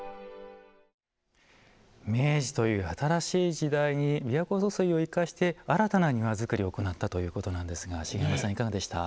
明治という新しい時代に琵琶湖疏水を生かして新たな庭造りを行ったということなんですが茂山さん、いかがでしたか。